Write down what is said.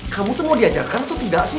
kamu tuh mau diajarkan atau tidak sih